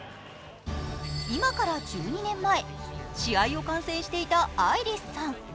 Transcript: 今から１２年前試合を観戦していたアイリスさん。